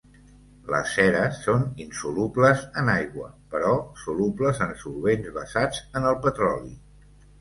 Les ceres són insolubles en aigua però solubles en solvents basats en el petroli.